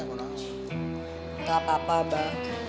nggak apa apa abah